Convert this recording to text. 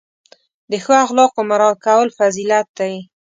د ښو اخلاقو مراعت کول فضیلت دی.